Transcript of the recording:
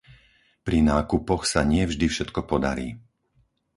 Pri nákupoch sa nie vždy všetko podarí.